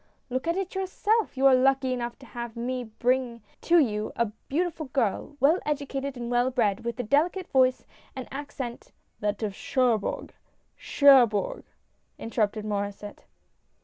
" Look at it yourself. You are lucky enough to have me bring to 6 98 SIGNING THE CONTRACT. you a beautiful girl, well educated and well bred, with a delicate voice — an accent "That of Cherbourg — Cherbourg," interrupted Maur^sset.